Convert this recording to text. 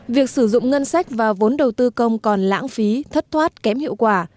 việc sử dụng ngân sách và vốn đầu tư công còn lãng phí thất thoát kém hiệu quả